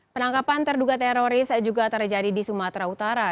penangkapan terduga teroris juga terjadi di sumatera utara